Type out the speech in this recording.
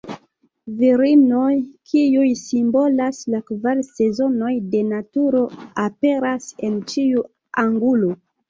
Virinoj kiuj simbolas la kvar sezonojn de naturo aperas en ĉiu angulo.